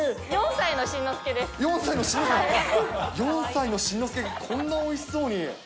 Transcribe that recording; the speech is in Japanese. ４歳の慎之介君がこんなおいしそうに。